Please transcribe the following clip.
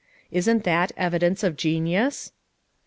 Isn't that evidence of genius?"